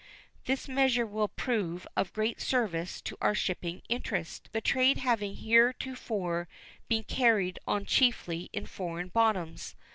This measure will prove of great service to our shipping interest, the trade having heretofore been carried on chiefly in foreign bottoms.